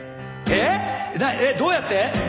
えっどうやって？